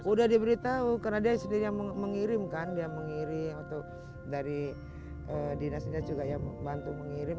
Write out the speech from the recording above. sudah diberitahu karena dia sendiri yang mengirimkan dia mengirim atau dari dinas dinas juga yang membantu mengirim